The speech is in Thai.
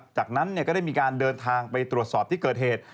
จากนั้นก็ได้มีการเดินทางไปตรวจสอบที่เกิดเหตุ